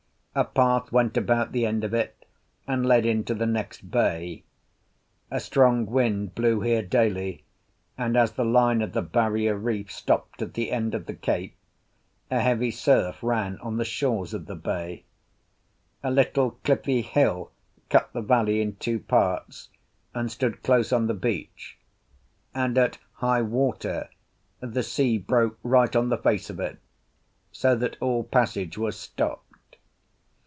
A path went about the end of it, and led into the next bay. A strong wind blew here daily, and as the line of the barrier reef stopped at the end of the cape, a heavy surf ran on the shores of the bay. A little cliffy hill cut the valley in two parts, and stood close on the beach; and at high water the sea broke right on the face of it, so that all passage was stopped.